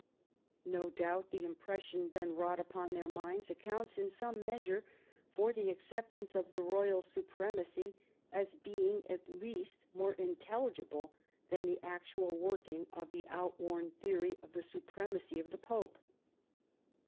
No doubt the im pression then wrought upon their minds accounts in some measure for the acceptance of the royal supremacy, as being at least more intelligible than the actual working of the outworn theory of the supremacy of the Pope.